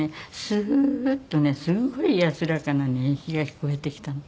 スーッとねすごい安らかな寝息が聞こえてきたの。